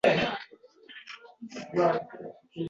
Bu sababli bugun emasdi.